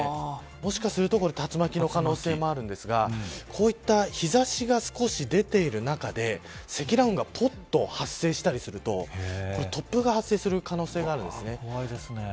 もしかすると竜巻の可能性もあるんですがこういった日差しが少し出ている中で積乱雲がぽっと発生したりすると突風が発生する可能性があるんですね。